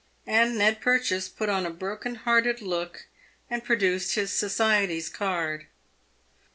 And Ned Purchase put on a broken hearted look, and produced his society's card.